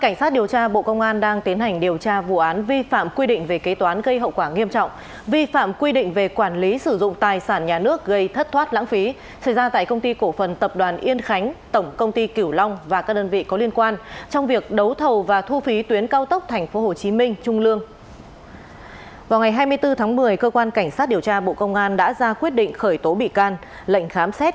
hãy đăng ký kênh để ủng hộ kênh của chúng mình nhé